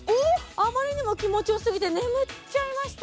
あまりにも気持ちよすぎて眠っちゃいました